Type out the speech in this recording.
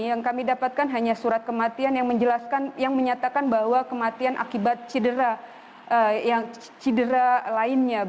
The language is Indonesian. yang kami dapatkan hanya surat kematian yang menyatakan bahwa kematian akibat cedera lainnya